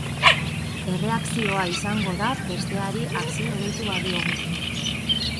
Erreakzioa izango da besteari akzio deitu badiogu.